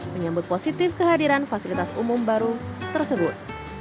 menyambut positif kehadiran fasilitas umum baru tersebut